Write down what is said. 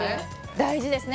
大事ですね